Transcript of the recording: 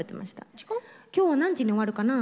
「今日は何時に終わるかな」